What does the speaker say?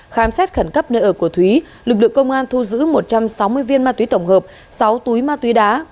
khám xét khẩn cấp nơi ở của thúy lực lượng công an thu giữ một trăm sáu mươi viên ma túy tổng hợp sáu túi ma túy đá